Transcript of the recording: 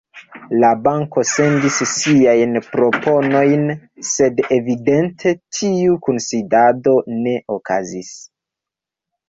La banko sendis siajn proponojn, sed evidente tiu kunsidado ne okazis.